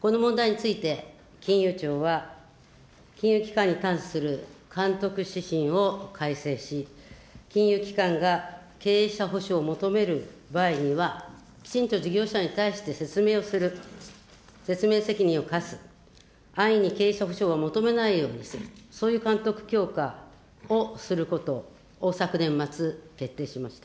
この問題について、金融庁は金融機関に対する監督指針を改正し、金融機関が経営者保証を求める場合には、きちんと事業者に対して説明をする、説明責任を課す、安易にを求めないようにする、そういう監督強化をすることを昨年末、徹底しました。